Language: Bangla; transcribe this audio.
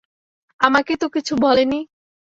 আমাকে তো কিছু বলে নি।